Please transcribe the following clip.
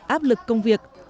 áp lực công việc